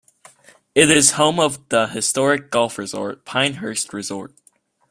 It is home of the historic golf resort, Pinehurst Resort.